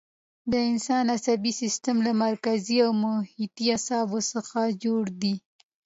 د انسان عصبي سیستم له مرکزي او محیطي اعصابو څخه جوړ دی.